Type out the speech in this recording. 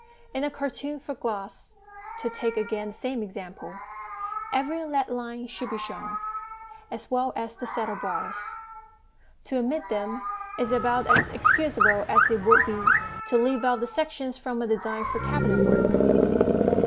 In a cartoon for glass (to take again the same example) every lead line should be shown, as well as the saddle bars; to omit them is about as excusable as it would be to leave out the sections from a design for cabinet work.